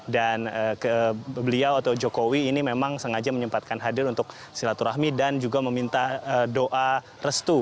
dan beliau atau jokowi ini memang sengaja menyempatkan hadir untuk silaturahmi dan juga meminta doa restu